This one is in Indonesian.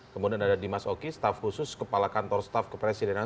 kemudian ada dimas oki staf khusus kepala kantor staf kepresidenan